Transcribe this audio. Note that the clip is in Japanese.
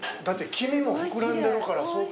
黄身も膨らんでるから相当。